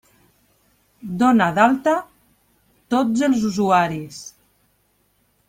Dona d'alta tots els usuaris!